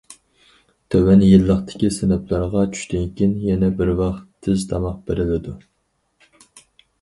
تۆۋەن يىللىقتىكى سىنىپلارغا چۈشتىن كېيىن يەنە بىر ۋاق تېز تاماق بېرىلىدۇ.